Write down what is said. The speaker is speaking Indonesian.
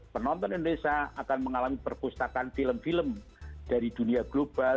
penonton indonesia akan mengalami perpustakaan film film dari dunia global